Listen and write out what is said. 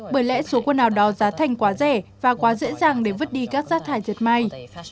bởi lẽ số quần áo đó giá thành quá rẻ và quá dễ dàng để vứt đi các rác thải diệt may